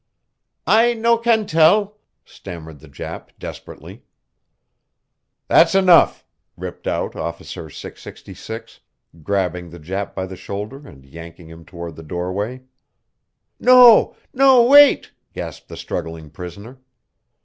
"I no can tell," stammered the Jap, desperately. "That's enough!" ripped out Officer 666, grabbing the Jap by the shoulder and yanking him toward the doorway. "No no wait!" gasped the struggling prisoner.